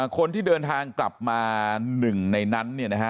คนที่เดินทางกลับมาหนึ่งในนั้น